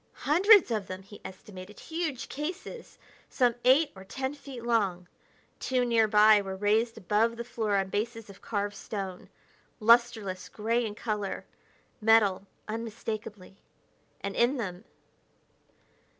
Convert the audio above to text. Hundreds of them, he estimated; huge cases, some eight or ten feet long. Two nearby were raised above the floor on bases of carved stone. Lusterless gray in color metal, unmistakably and in them....